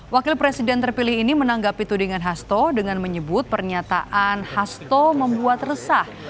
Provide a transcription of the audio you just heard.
wakil presiden terpilih ini menanggapi tudingan hasto dengan menyebut pernyataan hasto membuat resah